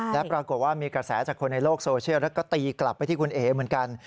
และปรากฏว่ามีกระแสจากคนในโลกโซเชียลแล้วก็ตีกลับไปที่คุณเอ๋เหมือนกัน